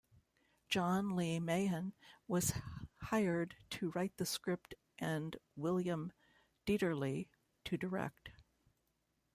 John Lee Mahin was hired to write the script and William Dieterle to direct.